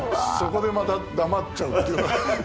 そこでまた黙っちゃう。